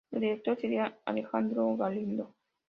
El director sería Alejandro Galindo.